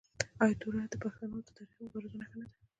آیا توره د پښتنو د تاریخي مبارزو نښه نه ده؟